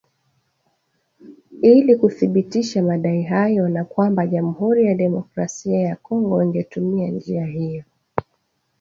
ili kuthibitisha madai hayo na kwamba Jamuhuri ya Demokrasia ya Kongo ingetumia njia hiyo